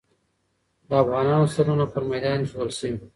د افغانانو سرونه پر میدان ایښودل سوي.